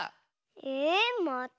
えまた？